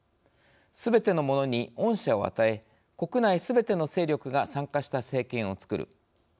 すべての者に恩赦を与え国内すべての勢力が参加した政権をつくる。